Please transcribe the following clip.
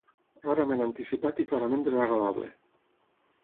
Rarament anticipat i clarament desagradable.